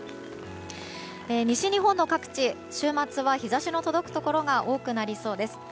西日本の各地週末は日差しの届くところが多くなりそうです。